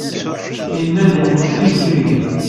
Yenna-d iḥemmel tijejjigin.